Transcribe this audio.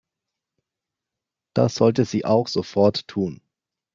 Das sollte sie auch sofort tun.